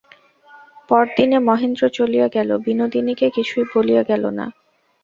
পরদিনে মহেন্দ্র চলিয়া গেল, বিনোদিনীকে কিছুই বলিয়া গেল না।